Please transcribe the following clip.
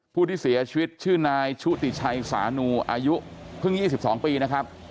ผู้ที่เสียชีวิตชื่อนายชุติชัยสานูอายุเพิ่ง๒๒ปีนะครับ